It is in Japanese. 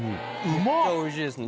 めっちゃおいしいですね。